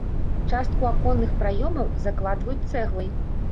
Частку аконных праёмаў закладваюць цэглай.